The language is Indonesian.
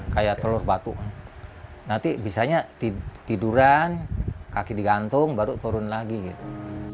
kayak telur batu nanti bisanya tiduran kaki digantung baru turun lagi gitu